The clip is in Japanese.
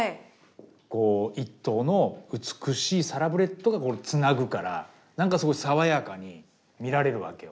こう一頭の美しいサラブレッドがつなぐから何かすごい爽やかに見られるわけよ